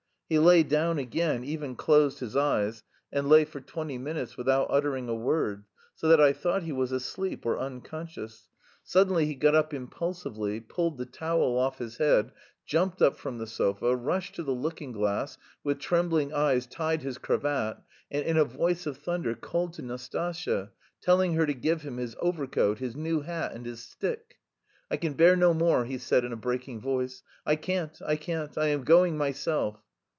He lay down again, even closed his eyes, and lay for twenty minutes without uttering a word, so that I thought he was asleep or unconscious. Suddenly he got up impulsively, pulled the towel off his head, jumped up from the sofa, rushed to the looking glass, with trembling hands tied his cravat, and in a voice of thunder called to Nastasya, telling her to give him his overcoat, his new hat and his stick. "I can bear no more," he said in a breaking voice. "I can't, I can't! I am going myself."